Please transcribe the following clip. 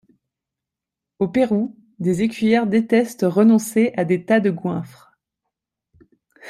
Au Pérou, des écuyères détestent renoncer à des tas de goinfres.